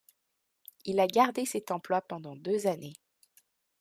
Il a gardé cet emploi pendant deux années.